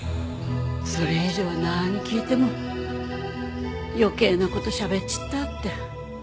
それ以上何聞いても余計な事しゃべっちったって。